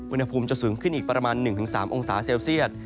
อุณหภูมิจะสูงขึ้นอีกประมาณ๑๓องศาเซลเซียต